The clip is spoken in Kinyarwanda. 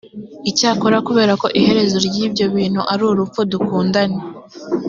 icyakora kubera ko iherezo ry’ibyo bintu ari urupfu dukundane